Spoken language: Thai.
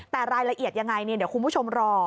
แต่รายละเอียดยังไงเดี๋ยวคุณผู้ชมรอ